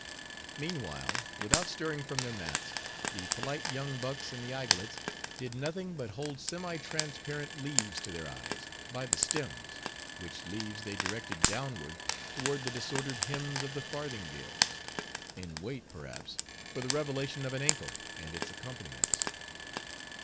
Meanwhile, without stirring from their mats, the polite young bucks in the aigulettes did nothing but hold semi transparent leaves to their eyes, by the stems; which leaves they directed downward, toward the disordered hems of the farthingales; in wait, perhaps, for the revelation of an ankle, and its accompaniments.